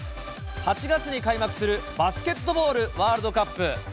８月に開幕するバスケットボールワールドカップ。